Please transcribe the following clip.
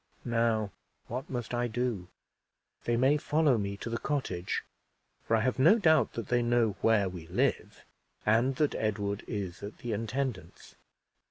Now, what must I do? They may follow me to the cottage, for I have no doubt that they know where we live, and that Edward is at the intendant's.